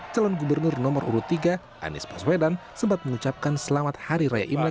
calon gubernur nomor urut tiga anies baswedan sempat mengucapkan selamat hari raya imlek